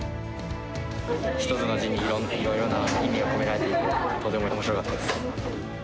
一つの字にいろいろな意味が込められていて、とてもおもしろかったです。